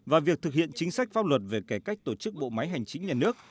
và việc thực hiện chính sách pháp luật về cải cách tổ chức bộ máy hành chính nhà nước